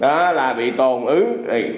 đó là bị tồn ứng